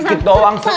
dikit doang seujuh